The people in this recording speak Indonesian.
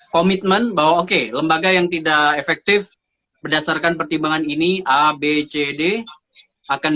komitmen bahwa oke lembaga yang tidak efektif berdasarkan pertimbangan ini a b c d akan